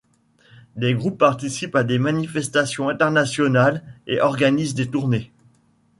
Des groupes participent à des manifestations internationales et organisent des tournées.